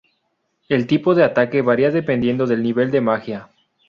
El tipo de ataque varía dependiendo del nivel de magia.